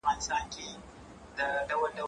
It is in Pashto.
زه کولای شم کتاب ولولم!.